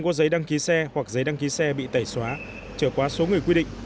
giấy đăng ký xe hoặc giấy đăng ký xe bị tẩy xóa trở qua số người quy định